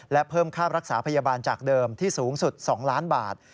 และเพิ่มค่ารักษาพยาบาลจากเดิมที่สูงสุด๒ล้านบาท